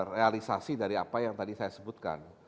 realisasi dari apa yang tadi saya sebutkan